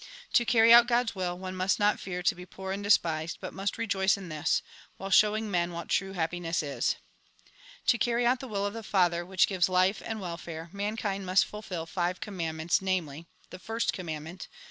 To carry out God's will, one must not fear to be poor and despised, but must rejoice in this, while showing men what true happiness is. " To carry out the will of the Father, which gives life and welfare, mankind must fulfil five commandments, namely : The First Covimanclment.